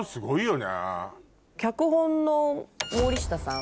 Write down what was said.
脚本の森下さん。